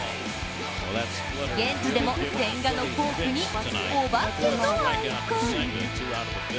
現地でも千賀のフォークに、お化けのアイコン。